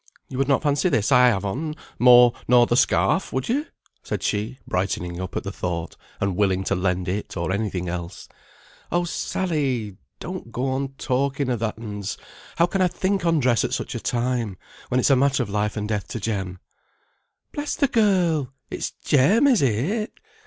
You would not fancy this I have on, more nor the scarf, would you?" said she, brightening up at the thought, and willing to lend it, or any thing else. "Oh Sally! don't go on talking a that ns; how can I think on dress at such a time? When it's a matter of life and death to Jem?" "Bless the girl! It's Jem, is it?